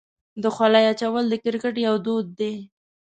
د خولۍ اچول د کرکټ یو دود دی.